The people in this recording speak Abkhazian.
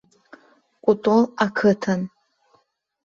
Кәтол ақыҭан.